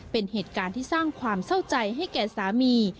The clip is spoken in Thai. เป็นเหตุการณ์ที่สร้างความเศร้าใจให้แก่สามี